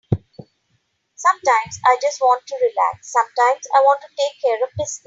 Sometimes I just want to relax, sometimes I want to take care of business.